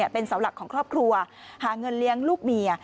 เป็นเสาหลักของครอบครัวหาเงินเลี้ยงลูกเมีย